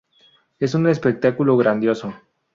Es un espectáculo grandioso.